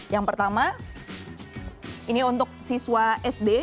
yang pertama ini untuk siswa sd